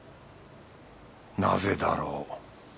なぜだろう？